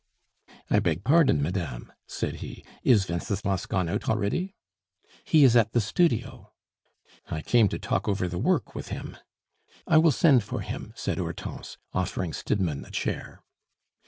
"I beg pardon, madame," said he. "Is Wenceslas gone out already?" "He is at the studio." "I came to talk over the work with him." "I will send for him," said Hortense, offering Stidmann a chair.